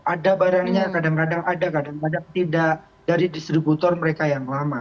ada barangnya kadang kadang ada kadang kadang tidak dari distributor mereka yang lama